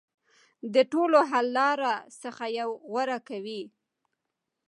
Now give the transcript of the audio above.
د ټولو حل لارو څخه یوه غوره کوي.